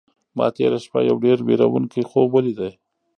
ما تېره شپه یو ډېر وېروونکی خوب ولید.